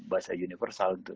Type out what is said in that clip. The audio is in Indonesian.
bahasa universal gitu